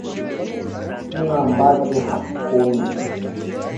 Hakuna ambacho hakikomi